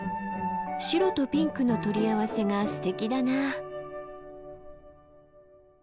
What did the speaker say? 白とピンクの取り合わせがすてきだな。